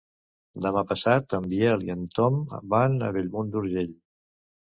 Demà passat en Biel i en Tom van a Bellmunt d'Urgell.